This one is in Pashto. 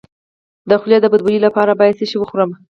د خولې د بد بوی لپاره باید څه شی وخورم؟